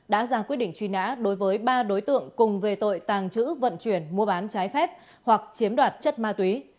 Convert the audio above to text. đã ra quyết định truy nã đối với ba đối tượng cùng về tội tàng trữ vận chuyển mua bán trái phép hoặc chiếm đoạt chất ma túy